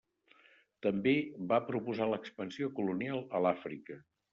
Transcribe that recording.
També va proposar l'expansió colonial a l'Àfrica.